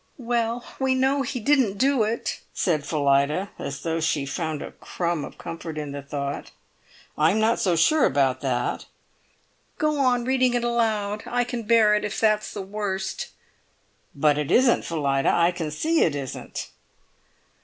"Well, we know he didn't do it," said Phillida, as though she found a crumb of comfort in the thought. "I'm not so sure about that." "Go on reading it aloud. I can bear it if that's the worst." "But it isn't, Phillida. I can see it isn't!"